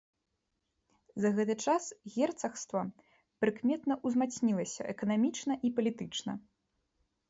За гэты час герцагства прыкметна ўзмацнілася эканамічна і палітычна.